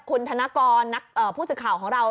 คุณธนกรผู้สื่อข่าวของเรา